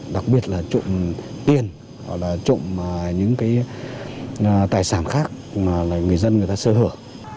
đặc biệt là trộm tiền hoặc là trộm những cái tài sản khác mà người dân người ta sơ hở